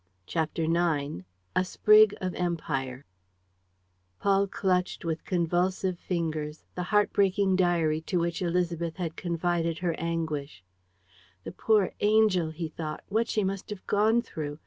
CHAPTER IX A SPRIG OF EMPIRE Paul clutched with convulsive fingers the heart breaking diary to which Élisabeth had confided her anguish: "The poor angel!" he thought. "What she must have gone through!